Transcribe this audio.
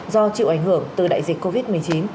do chịu ảnh hưởng từ đại dịch covid một mươi chín